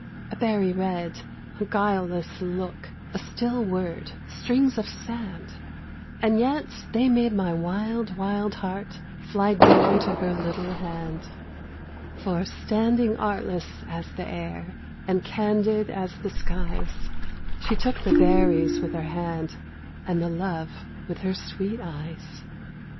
A berry red, a guileless look, A still word, strings of sand! And yet they made my wild, wild heart Fly down to her little hand. For, standing artless as the air, And candid as the skies, She took the berries with her hand, And the love with her sweet eyes.